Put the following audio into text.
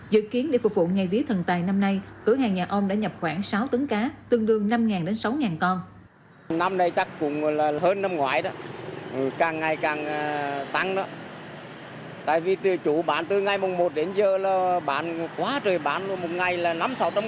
dự kiến để phục vụ ngày vía thần tài năm nay cửa hàng nhà ông đã nhập khoảng sáu tấn cá tương đương năm đến sáu con